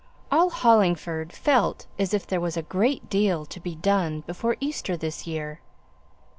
All Hollingford felt as if there was a great deal to be done before Easter this year.